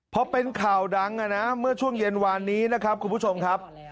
พอเป็นข่าวดังเมื่อช่วงเย็นวานนี้นะครับคุณผู้ชมครับ